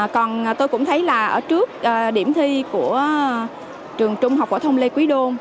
còn tôi cũng thấy là ở trước điểm thi của trường trung học phổ thông lê quý đôn